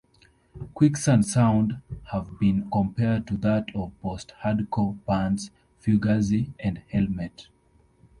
Quicksand's sound has been compared to that of post-hardcore bands Fugazi and Helmet.